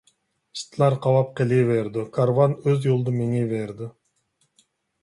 ئىتلار قاۋاپ قېلىۋېرىدۇ، كارۋان ئۆز يولىدا مېڭىۋېرىدۇ.